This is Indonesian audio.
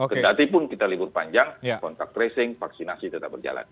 kedatipun kita libur panjang contact tracing vaksinasi tetap berjalan